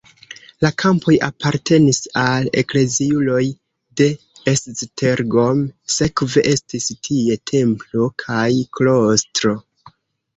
La kampoj apartenis al ekleziuloj de Esztergom, sekve estis tie templo kaj klostro.